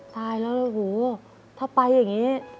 ตายแล้วหึถ้าไปอย่างนี้